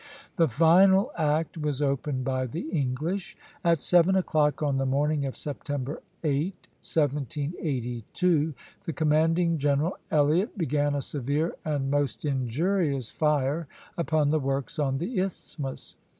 The final act was opened by the English. At seven o'clock on the morning of September 8, 1782, the commanding general, Elliott, began a severe and most injurious fire upon the works on the isthmus.